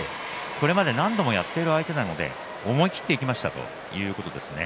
これまで何度もやっている相手なので思い切っていきましたということです。